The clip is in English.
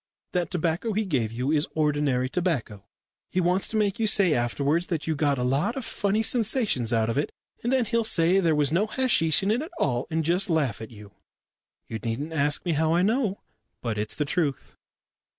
That tobacco he gave you is ordinary tobacco. He wants to make you say afterwards that you got a lot of funny sensations out of it, and then he'll say there was no hasheesh in it at all, and just laugh at you. You needn't ask me how I know, but it's the truth."